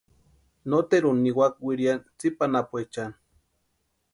Noteruni niwaka wiriani tsipa anapuechani.